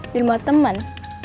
di rumah temen